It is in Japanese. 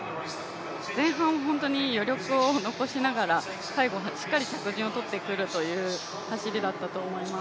前半本当に余力を残しながら最後しっかり着順を取ってくるという走りだったと思います。